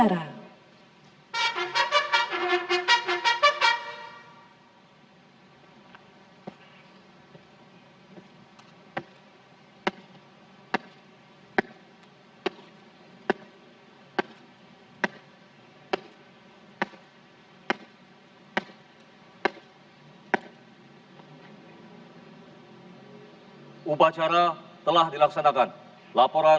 kembali ke tempat